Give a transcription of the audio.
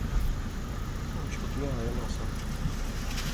او چھٹیا آیا ناں سا